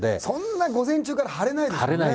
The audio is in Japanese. そんな午前中から張れないですよね。